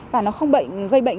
và nó không gây bệnh